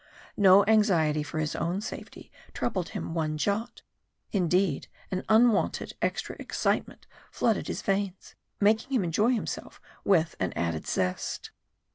No anxiety for his own safety troubled him one jot indeed, an unwonted extra excitement flooded his veins, making him enjoy himself with an added zest.